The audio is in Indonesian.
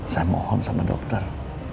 saya mohon sama dokter